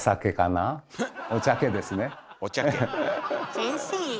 先生。